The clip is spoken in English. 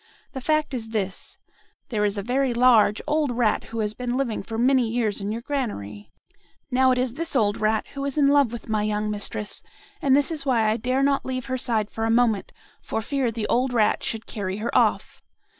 The fact is this: There is a very large old rat who has been living for many years in your granary. Now it is this old rat who is in love with my young mistress, and this is why I dare not leave her side for a moment, for fear the old rat should carry her off.